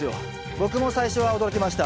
僕も最初は驚きました。